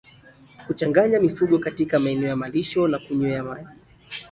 Kuchanganya mifugo katika maeneo ya malisho na kunywea maji